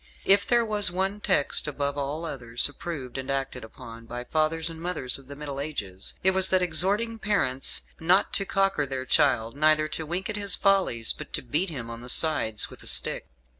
If there was one text, above all others, approved and acted upon by fathers and mothers of the Middle Ages, it was that exhorting parents not to cocker their child, neither to wink at his follies, but to beat him on the sides with a stick.